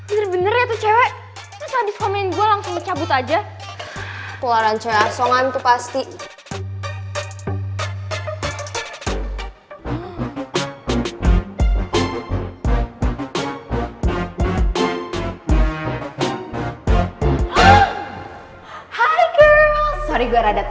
eh bener bener ya tuh cewek